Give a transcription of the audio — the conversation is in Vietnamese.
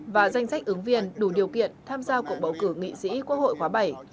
và danh sách ứng viên đủ điều kiện tham gia cuộc bầu cử nghị sĩ quốc hội khóa bảy